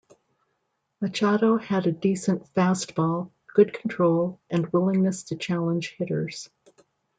Machado had a decent fastball, good control and willingness to challenge hitters.